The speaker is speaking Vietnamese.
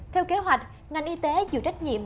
theo kế hoạch ngành y tế chịu trách nhiệm